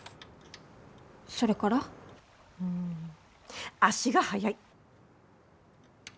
それから？ん足が速い！